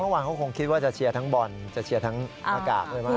เมื่อวานเขาคงคิดว่าจะเชียร์ทั้งบอลจะเชียร์ทั้งหน้ากากเลยมั